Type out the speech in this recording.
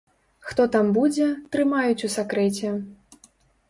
Хто там будзе, трымаюць у сакрэце.